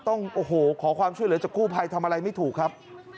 ต้องโอ้โหขอความช่วยเหลือจากกู้ภัยทำอะไรไม่ถูกครับ